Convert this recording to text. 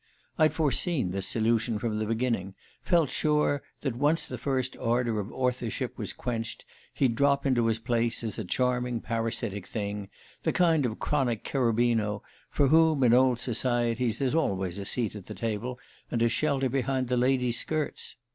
I'd foreseen this solution from the beginning felt sure that, once the first ardour of authorship was quenched, he'd drop into his place as a charming parasitic thing, the kind of chronic Cherubino for whom, in old societies, there's always a seat at table, and a shelter behind the ladies' skirts.